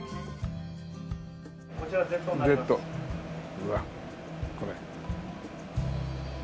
うわっこれ。